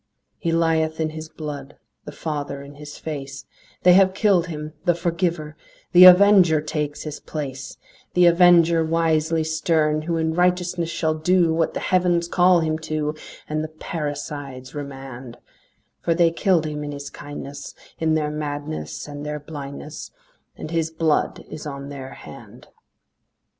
He lieth in his blood The father in his face; They have killed him, the Forgiver The Avenger takes his place, The Avenger wisely stern, Who in righteousness shall do What the heavens call him to, And the parricides remand; For they killed him in his kindness, In their madness and their blindness, And his blood is on their hand.